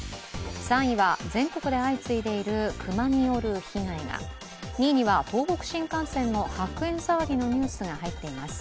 ３位は全国で相次いでいる熊による被害が、２位には東北新幹線の白煙騒ぎのニュースが入ってきています。